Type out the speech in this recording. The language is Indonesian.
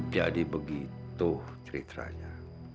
jadi begitu ceritanya